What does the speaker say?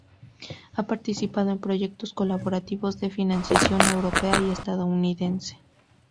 Ha participado en proyectos colaborativos de financiación europea y estadounidense.